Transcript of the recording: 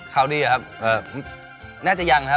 ข่าวดีครับน่าจะยังครับ